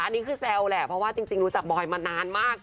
อันนี้คือแซวแหละเพราะว่าจริงรู้จักบอยมานานมาก